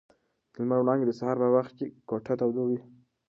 د لمر وړانګې د سهار په وخت کې کوټه تودوي.